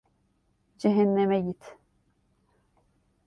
Cehenneme git!